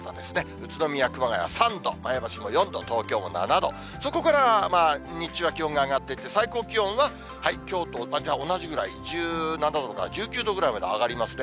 宇都宮、熊谷３度、前橋も４度、東京も７度、そこから日中は気温が上がってって、最高気温はきょうと同じぐらい、１７度から１９度ぐらいまで上がりますね。